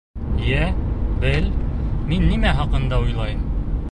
— Йә, бел, мин нимә хаҡында уйлайым?